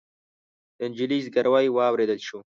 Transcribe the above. د نجلۍ زګيروی واورېدل شو.